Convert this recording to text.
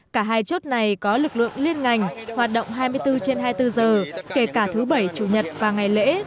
cả hai chốt này có lực lượng liên ngành hoạt động hai mươi bốn trên hai mươi bốn giờ kể cả thứ bảy chủ nhật và ngày lễ